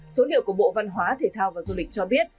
số liệu của bộ văn hóa thể thao và du lịch cho biết